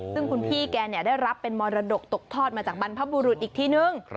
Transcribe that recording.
ซึ่งคุณพี่แกได้รับเป็นมรดกตกทอดมาจากบรรพบุรุษอีกทีนึง